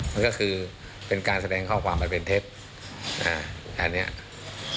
มันก็คือเป็นการแสดงข้อความมาเป็นเทป